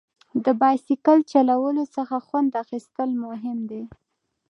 د بایسکل چلولو څخه خوند اخیستل مهم دي.